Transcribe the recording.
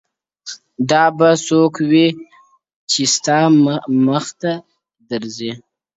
دا به څوک وي چي ستا مخي ته درېږي-